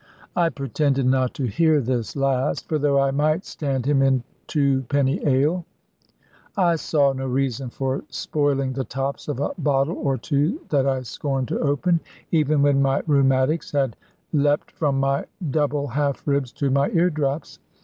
I pretended not to hear this last; for though I might stand him in twopenny ale, I saw no reason for spoiling the tops of a bottle or two that I scorned to open, even when my rheumatics had leapt from my double half ribs to my ear drops.